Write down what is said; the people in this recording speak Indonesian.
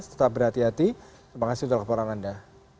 tetap berhati hati terima kasih untuk laporan anda